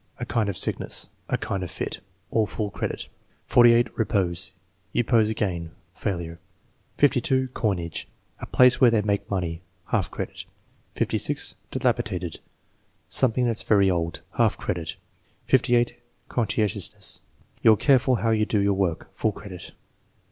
"A kind of sickness." "A kind of fit." (All full credit.) 48. Eepose. "You pose again." (Failure.) 52. Coinage. "A place where they make money." (Half credit.) 56, Dilapidated. "Something that's very old." (Half credit.) 58. Conscientious. "You're careful how you do your work." (Full credit.)